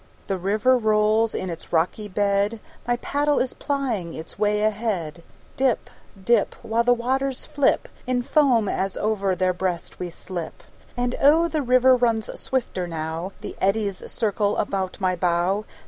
The river rolls in its rocky bed; My paddle is plying its way ahead; Dip, dip, While the waters flip In foam as over their breast we slip. And oh, the river runs swifter now; The eddies circle about my bow.